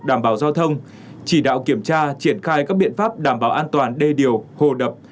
đảm bảo giao thông chỉ đạo kiểm tra triển khai các biện pháp đảm bảo an toàn đê điều hồ đập